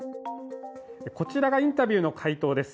こちらがインタビューの回答です。